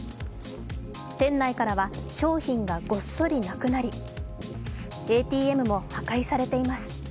店内からは商品がごっそりなくなり、ＡＴＭも破壊されています。